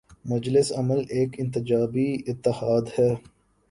مجلس عمل ایک انتخابی اتحاد ہے۔